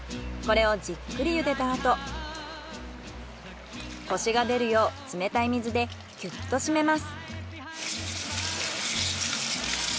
これをじっくりゆでたあとコシが出るよう冷たい水でキュッと締めます。